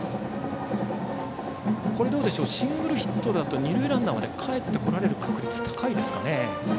シングルヒットだと二塁ランナーまでかえってこられる確率高いですかね。